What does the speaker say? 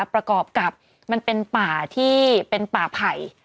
ประกอบกับมันเป็นป่าไผ่